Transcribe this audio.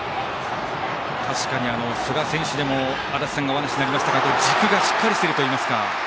確かに寿賀選手足達さんからもお話になりましたが軸がしっかりしているといいますか。